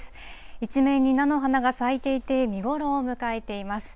一面に菜の花が咲いていて、見頃を迎えています。